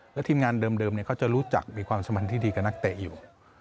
แล้วทีมงานเดิมเขาจะรู้จักมีความสมันที่ดีกับนักเตะอยู่